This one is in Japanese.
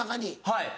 はい。